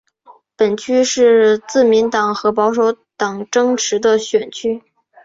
本区是自民党和保守党争持的选区。